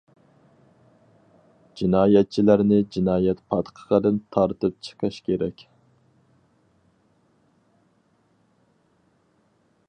جىنايەتچىلەرنى جىنايەت پاتقىقىدىن تارتىپ چىقىش كېرەك.